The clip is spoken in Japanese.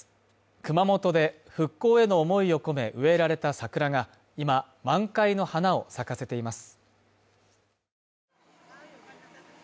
熊本で復興への思いを込め、植えられた桜が今、満開の花を咲かせています。